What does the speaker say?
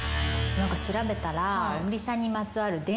調べたら。